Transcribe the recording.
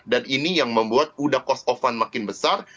ini yang membuat udah cost of fun makin besar